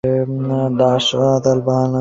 দাস, ও তালবাহানা করছে।